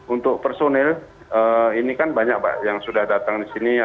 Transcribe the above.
untuk personil ini kan banyak pak yang sudah datang di sini